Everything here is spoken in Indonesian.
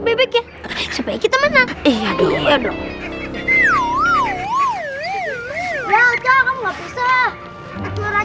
bebeknya supaya kita menang iya dulu ya